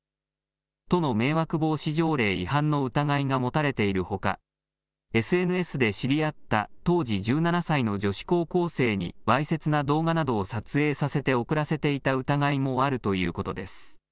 都の迷惑防止条例違反の疑いが持たれているほかＳＮＳで知り合った当時１７歳の女子高校生にわいせつな動画などを撮影させて送らせていた疑いもあるということです。